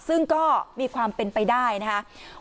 ซึ่งก็มีความเป็นไปได้นะครับ